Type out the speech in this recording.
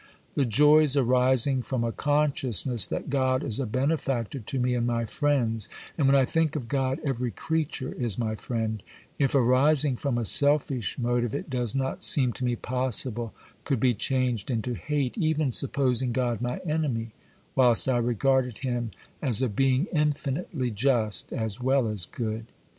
The joys arising from a consciousness that God is a benefactor to me and my friends (and when I think of God every creature is my friend), if arising from a selfish motive, it does not seem to me possible could be changed into hate, even supposing God my enemy, whilst I regarded Him as a Being infinitely just as well as good.